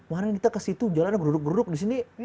eh kemarin kita ke situ jalan beruruk uruk di sini